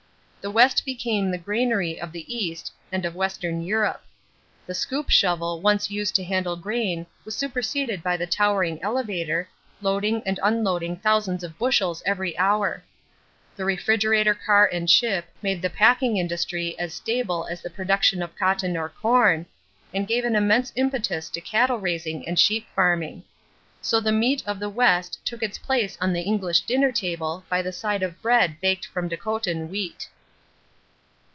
The West became the granary of the East and of Western Europe. The scoop shovel once used to handle grain was superseded by the towering elevator, loading and unloading thousands of bushels every hour. The refrigerator car and ship made the packing industry as stable as the production of cotton or corn, and gave an immense impetus to cattle raising and sheep farming. So the meat of the West took its place on the English dinner table by the side of bread baked from Dakotan wheat.